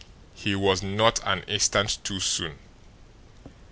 He was not an instant too soon.